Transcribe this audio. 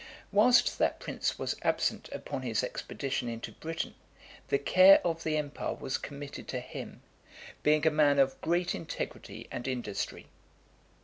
Whilst that (429) prince was absent upon his expedition into Britain , the care of the empire was committed to him, being a man of great integrity and industry.